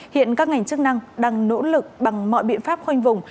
hiện các ngành chức năng đang nỗ lực bằng mọi biện pháp khoanh vùng